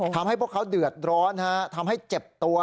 ทำให้พวกเขาเดือดร้อนนะฮะทำให้เจ็บตัว